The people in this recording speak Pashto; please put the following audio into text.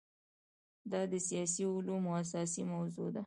دا د سیاسي علومو اساسي موضوع ده.